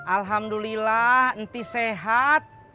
alhamdulillah nanti sehat